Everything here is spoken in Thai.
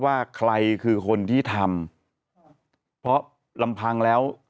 ว่าใครคือคนที่ทำเพราะลำพังแล้ว